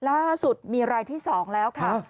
ล่าสุดมีรายที่๒แล้วค่ะ